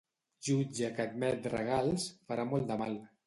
Jutge que admet regals, farà molt de mal.